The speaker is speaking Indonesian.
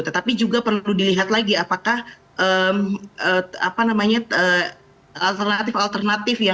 tetapi juga perlu dilihat lagi apakah alternatif alternatif ya